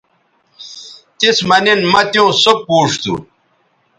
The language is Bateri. تس مہ نن مہ تیوں سو پوڇ تھو